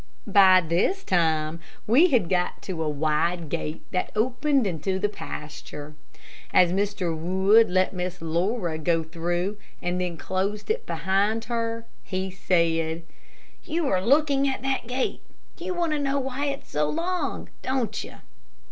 By this time we had got to a wide gate that opened into the pasture. As Mr. Wood let Miss Laura go through and then closed it behind her, he said, "You are looking at that gate. You want to know why it is so long, don't you?"